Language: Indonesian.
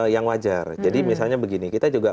yang wajar jadi misalnya begini kita juga